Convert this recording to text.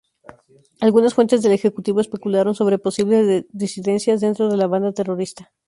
Algunas fuentes del Ejecutivo especularon sobre posibles disidencias dentro de la banda terrorista.